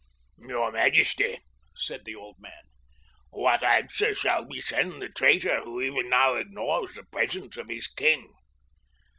"Your majesty," said the old man, "what answer shall we send the traitor who even now ignores the presence of his king?"